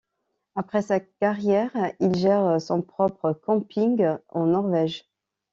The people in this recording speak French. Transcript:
Après sa carrière, il gère son propre camping en Norvège.